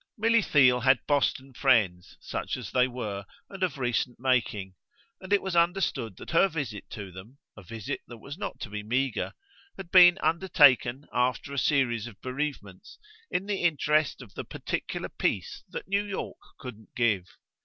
Milly Theale had Boston friends, such as they were, and of recent making; and it was understood that her visit to them a visit that was not to be meagre had been undertaken, after a series of bereavements, in the interest of the particular peace that New York couldn't give.